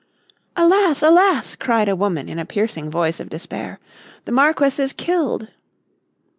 "Alas! Alas!" cried a woman in a piercing voice of despair, "the Marquess is killed!"